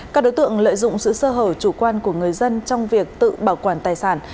các đối tượng lợi dụng sự sơ hở chủ quan của người dân trong việc tự bảo quản tài sản